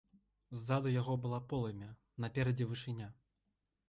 Ззаду яго было полымя, наперадзе вышыня.